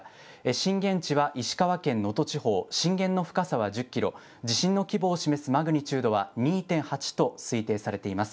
震源地は石川県能登地方、震源の深さは１０キロ、地震の規模を示すマグニチュードは２．８と推定されています。